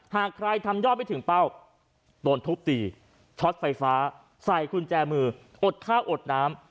หากใครทำยอดไม่ถึงเป้าโดนทุบตีช็อตไฟฟ้าใส่กุญแจมืออดข้าวอดน้ำ